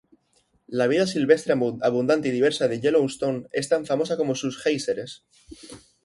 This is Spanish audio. La vida silvestre abundante y diversa de Yellowstone es tan famosa como sus géiseres